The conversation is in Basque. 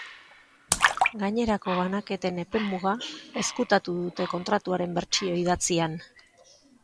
Gainerako banaketen epemuga ezkutatu dute kontratuaren bertsio idatzian.